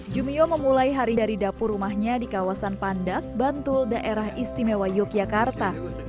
jumio memulai hari dari dapur rumahnya di kawasan pandak bantul daerah istimewa yogyakarta